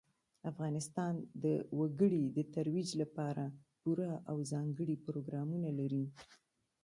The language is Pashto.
افغانستان د وګړي د ترویج لپاره پوره او ځانګړي پروګرامونه لري.